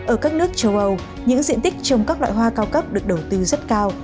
ở các nước châu âu những diện tích trồng các loại hoa cao cấp được đầu tư rất cao